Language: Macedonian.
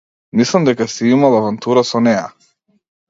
Мислам дека си имал авантура со неа.